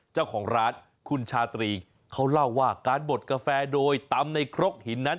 เจ้าของร้านคุณชาตรีเขาเล่าว่าการบดกาแฟโดยตำในครกหินนั้น